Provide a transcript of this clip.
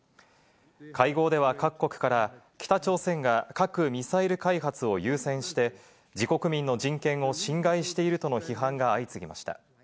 会合では各国から北朝鮮が核・ミサイル開発を優先して、自国民の人権を侵害しているとの批判が相次ぎました。